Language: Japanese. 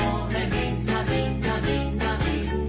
みんなみんなみんなみんな」